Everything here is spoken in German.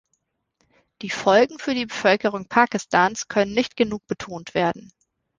Die Folgen für die Bevölkerung Pakistans können nicht genug betont werden.